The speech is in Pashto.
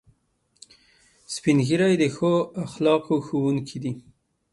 سپین ږیری د ښو اخلاقو ښوونکي دي